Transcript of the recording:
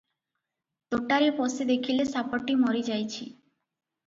ତୋଟାରେ ପଶି ଦେଖିଲେ ସାପଟି ମରି ଯାଇଛି ।